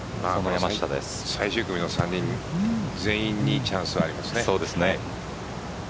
最終組の３人全員にチャンスありますね。